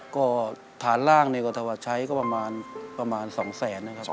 ก็ฐานร่างในกฎฐวัตรใช้ก็ประมาณ๒แสนครับ